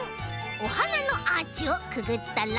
おはなのアーチをくぐったら。